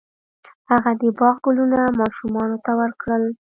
هغه د باغ ګلونه ماشومانو ته ورکړل.